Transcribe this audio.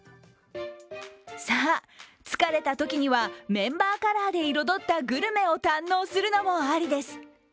さあ疲れたときにはメンバーカラーで彩ったグルメを堪能するのもありです。